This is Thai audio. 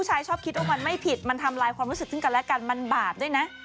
โกรธคบกันเขามาต้องนานแต่เขาคบอีกคนนึงนานแค่ไหนไม่รู้เลย